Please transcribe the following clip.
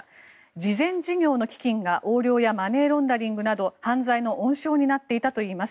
慈善事業の基金が横領やマネーロンダリングなど犯罪の温床になっていたといいます。